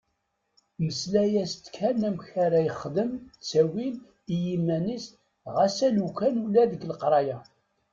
Mmeslay-as-d kan amek ara yexdem ttawil i yiman-is ɣas alukan ula deg leqraya.